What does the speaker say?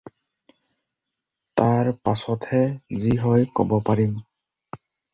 তাৰ পাচতহে যি হয় ক'ব পাৰিম।